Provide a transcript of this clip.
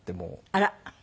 あら！